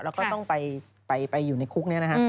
เราก็ต้องไปอยู่ในคุกเนี่ยนะฮะ